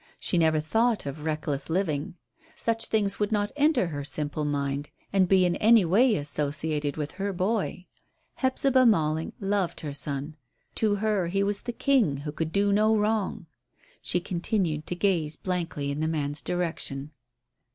She never thought of reckless living. Such things could not enter her simple mind and be in any way associated with her boy. Hephzibah Malling loved her son; to her he was the king who could do no wrong. She continued to gaze blankly in the man's direction.